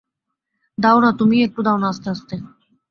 দাও না, তুমিই একটু দাও না আস্তে আস্তে!